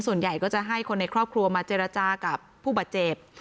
ส่วนใหญ่ก็จะให้คนในครอบครัวมาเจรจากับผู้บาดเจ็บ